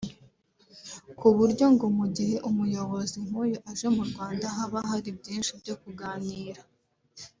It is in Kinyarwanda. ku buryo ngo mu gihe umuyobozi nk’uyu aje mu Rwanda haba hari byinshi byo kuganira